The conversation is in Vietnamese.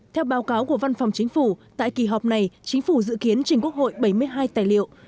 theo báo cáo của văn phòng chính phủ tại kỳ họp này chính phủ dự kiến trình quốc hội bảy mươi hai tài liệu